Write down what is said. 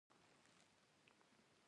مني د فکر موسم دی